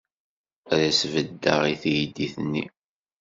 Ad as-beddeɣ i teydit-nni.